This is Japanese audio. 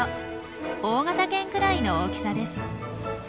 大型犬くらいの大きさです。